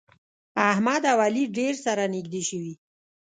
احمد او علي ډېر سره نږدې شوي.